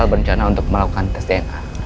aku berencana untuk melakukan test dna